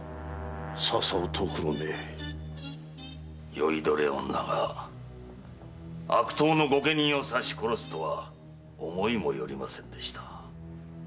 酔いどれ女が悪党の御家人を刺し殺すとは思いもよりませんでした。